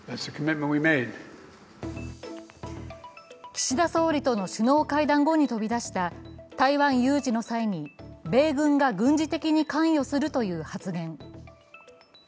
岸田総理との首脳会談後に飛び出した、台湾有事の際に米軍が軍事的に関与するという発言。